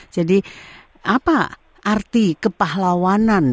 jadi apa arti kepahlawanan